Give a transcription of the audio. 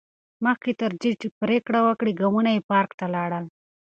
مخکې تر دې چې پرېکړه وکړي، ګامونه یې پارک ته لاړل.